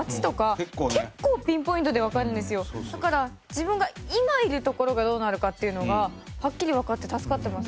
だから自分が今いる所がどうなるかっていうのがはっきりわかって助かってます。